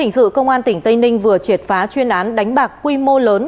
cảnh sát hình sự công an tỉnh tây ninh vừa triệt phá chuyên án đánh bạc quy mô lớn